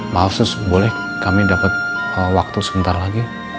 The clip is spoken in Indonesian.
maaf sus boleh kami dapat waktu sebentar lagi